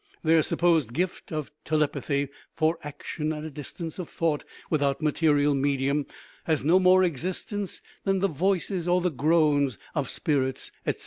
Their supposed gift of "tele pathy" (or "action at a distance of thought without material medium") has no more existence than the "voices" or the "groans" of spirits, etc.